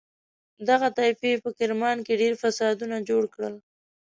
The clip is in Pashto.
دغه طایفې په کرمان کې ډېر فسادونه جوړ کړل.